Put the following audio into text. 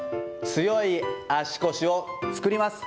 強い足腰を作ります。